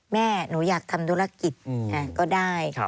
แม่หนูอยากทำธุรกิจก็ได้